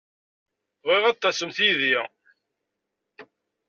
Bɣiɣ ad tasemt yid-i.